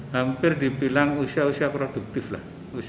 hampir dibilang usia usia produktif lah